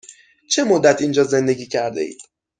چه مدت اینجا زندگی کرده اید؟